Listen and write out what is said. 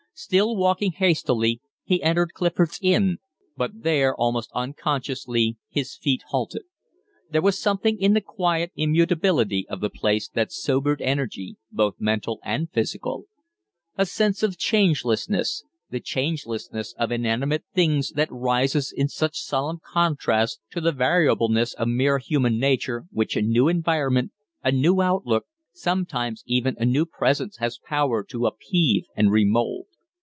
Still walking hastily, he entered Clifford's Inn, but there almost unconsciously his feet halted. There was something in the quiet immutability of the place that sobered energy, both mental and physical. A sense of changelessness the changelessness of inanimate things, that rises in such solemn contrast to the variableness of mere human nature, which a new environment, a new outlook, sometimes even a new presence, has power to upheave and remould.